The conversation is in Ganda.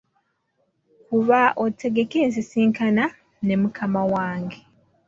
Kuba otegeke ensisinkana me mukama wange.